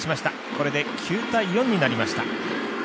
これで９対４になりました。